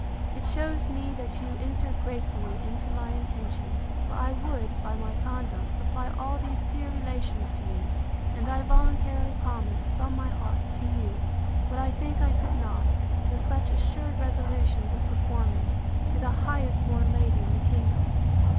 It shews me that you enter gratefully into my intention. For I would, by my conduct, supply all these dear relations to you; and I voluntarily promise, from my heart, to you, what I think I could not, with such assured resolutions of performance, to the highest born lady in the kingdom.